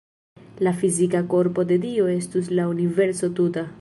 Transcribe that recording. La fizika korpo de Dio estus la universo tuta.